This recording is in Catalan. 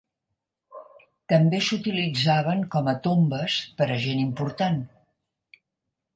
També s'utilitzaven com a tombes per a gent important.